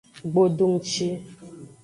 Gbodongci.